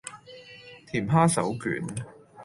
甜蝦手卷